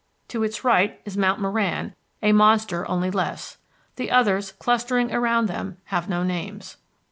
To its right is Mount Moran, a monster only less. The others, clustering around them, have no names.